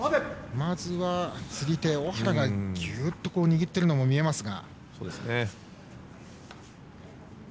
まずは釣り手、尾原がぎゅっと握っているのも見えましたが。